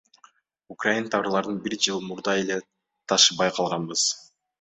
Украин товарларын бир жыл мурда эле ташыбай калганбыз.